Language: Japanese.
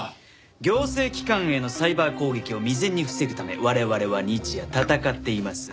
行政機関へのサイバー攻撃を未然に防ぐため我々は日夜戦っています。